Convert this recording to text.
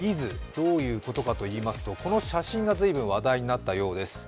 どういうことかといいますと、この写真が随分話題となったようです。